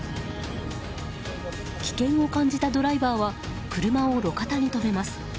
危険を感じたドライバーは車を路肩に止めます。